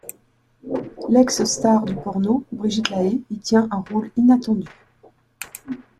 L'ex-star du porno Brigitte Lahaie y tient un rôle inattendu.